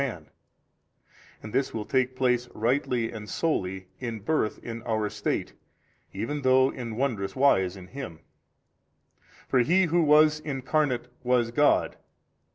man: and this will take place rightly and solely, in birth in our estate, even though in wondrous wise in Him, for He Who was Incarnate was GOD.